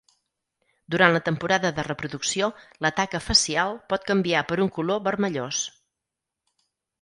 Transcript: Durant la temporada de reproducció, la taca facial pot canviar per un color vermellós.